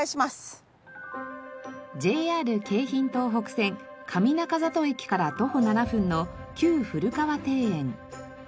ＪＲ京浜東北線上中里駅から徒歩７分の旧古河庭園。